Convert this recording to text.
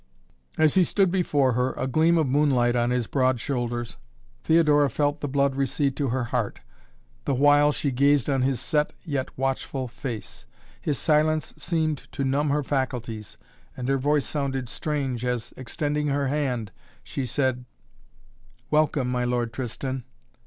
As he stood before her, a gleam of moonlight on his broad shoulders, Theodora felt the blood recede to her heart, the while she gazed on his set, yet watchful face. His silence seemed to numb her faculties and her voice sounded strange as, extending her hand, she said: "Welcome, my Lord Tristan."